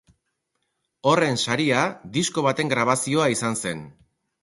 Horren saria disko baten grabazioa izan zen.